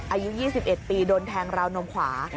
อายุ๒๑ปีโดนแทงราวนมขวา